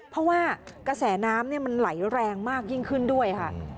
เพราะว่ากระแสน้ำมันไหลแรงมากยิ่งขึ้นด้วยค่ะ